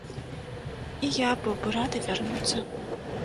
І я быў бы рады вярнуцца.